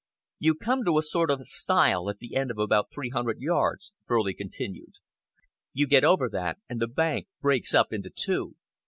"You come to a sort of stile at the end of about three hundred yards," Furley continued. "You get over that, and the bank breaks up into two.